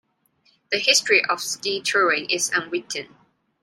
The history of ski touring is unwritten.